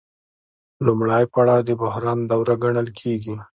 لومړی پړاو د بحران دوره ګڼل کېږي